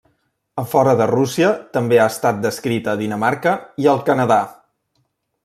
A fora de Rússia també ha estat descrita a Dinamarca i al Canadà.